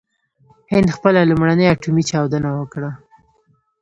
هند خپله لومړۍ اټومي چاودنه وکړه.